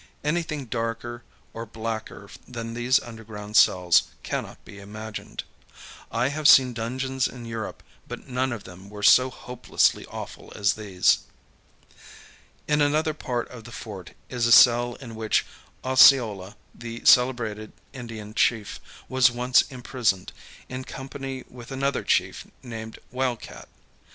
Anything darker or blacker than these underground cells cannot be imagined. I have seen dungeons in Europe, but none of them were so hopelessly awful as these. In another part of the fort is a cell in which Os[Pg 115]ceola, the celebrated Indian chief, was once imprisoned, in company with another chief named Wild Cat.